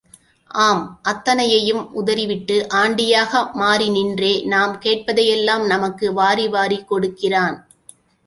ஆம் அத்தனையையும் உதறிவிட்டு ஆண்டியாக மாறி நின்றே, நாம் கேட்பதையெல்லாம் நமக்கு வாரி வாரிக் கொடுக்கிறான்.